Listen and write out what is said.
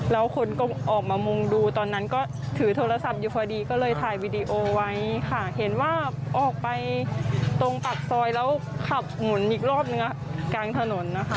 แล้วคนก็ออกมามุงดูตอนนั้นก็ถือโทรศัพท์อยู่พอดีก็เลยถ่ายวีดีโอไว้ค่ะเห็นว่าออกไปตรงปากซอยแล้วขับหมุนอีกรอบนึงกลางถนนนะคะ